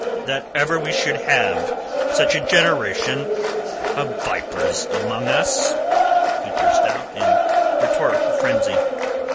That ever we should have such a generation of vipers among us," he burst out in rhetorical frenzy.